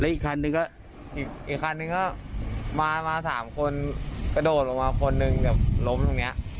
อีกครั้งหนึ่งก็มา๓คนกระโดดลงมาคนหนึ่งกับล้มตรงเนี่ย